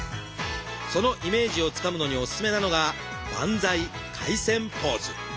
そのイメージをつかむのにおすすめなのが「バンザイ回旋ポーズ」。